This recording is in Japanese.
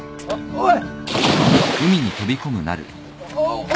おい！